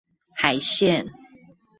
海線